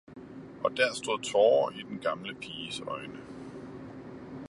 Og der stod tårer i den gamle piges øjne.